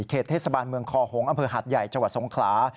เขตเทศบาลเมืองคอหงษ์อำเภอหาดใหญ่จสงครา